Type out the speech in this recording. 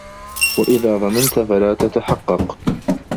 وَإِذَا ظَنَنْتَ فَلَا تَتَحَقَّقْ